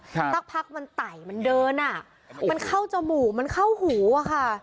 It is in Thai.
สักพักมันไต่มันเดินอ่ะมันเข้าจมูกมันเข้าหูอะค่ะ